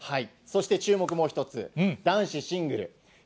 そして注目、もう一つ、男子シングル。